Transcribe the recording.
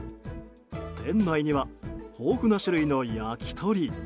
店内には豊富な種類の焼き鳥。